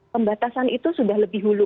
pembatasan itu sudah lebih hulu